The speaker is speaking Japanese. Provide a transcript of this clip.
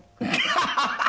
ハハハハ！